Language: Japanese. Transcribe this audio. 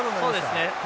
そうですね。